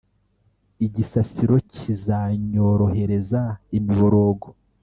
igisasiro kizanyorohereza imiborogo’,